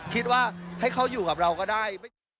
คิดว่าให้เขาอยู่กับเราก็ได้